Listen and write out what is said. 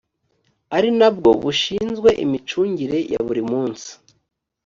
ari nabwo bushinzwe imicungire ya buri munsi